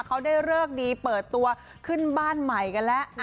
เขาได้เลิกดีเปิดตัวขึ้นบ้านใหม่กันแล้ว